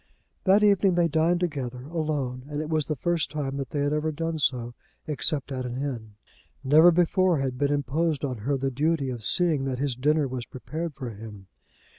That evening they dined together, alone; and it was the first time that they had ever done so, except at an inn. Never before had been imposed on her the duty of seeing that his dinner was prepared for him.